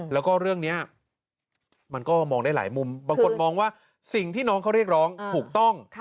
แล้วก็เรื่องนี้มันก็มองได้หลายมุมบางคนมองว่าสิ่งที่น้องเขาเรียกร้องถูกต้อง